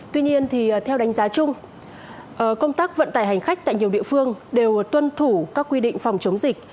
tuy nhiên theo đánh giá chung công tác vận tải hành khách tại nhiều địa phương đều tuân thủ các quy định phòng chống dịch